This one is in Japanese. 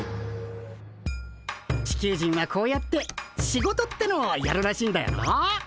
チキュウジンはこうやって「シゴト」ってのをやるらしいんだよな。